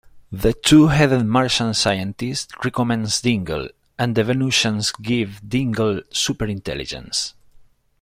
The two-headed Martian scientist recommends Dingle and the Venusians give Dingle super-intelligence.